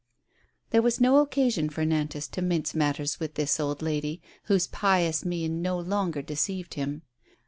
There was no occasion for Nantas to mince matters with this old lady, whose pious mien no longer deceived him.